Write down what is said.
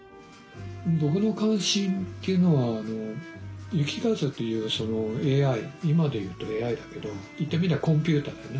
僕の関心っていうのは雪風というＡＩ今で言うとＡＩだけど言ってみりゃコンピューターだよね。